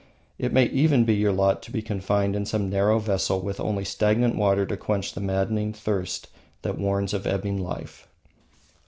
It may even be your lot to be confined in some narrow vessel with only stagnant water to quench the maddening thirst that warns of ebbing life.